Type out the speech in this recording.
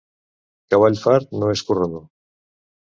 Cavall fart no és corredor.